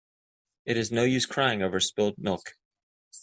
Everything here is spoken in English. It is no use crying over spilt milk.